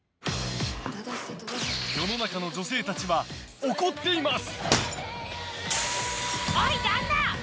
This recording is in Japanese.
世の中の女性たちは怒っています。